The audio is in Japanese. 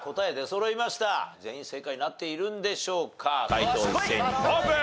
解答一斉にオープン。